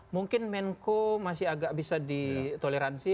mungkin menko masih agak bisa ditoleransi